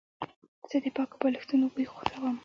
زه د پاکو بالښتونو بوی خوښوم.